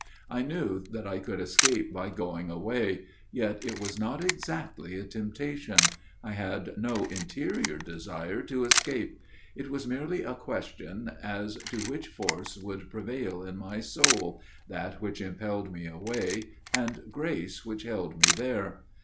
I knew that I could escape by going away ; yet it was not exactly a temptation I had no interior desire to escape. It was merely a question as to which force would prevail in my soul that which impelled me away, and grace which held me there.